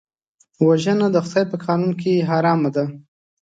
وژنه د خدای په قانون کې حرام ده